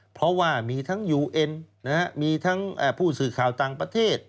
เพราะว่ามีทั้งยูเอ็นมีทั้งผู้สื่อข่าวต่างประเทศ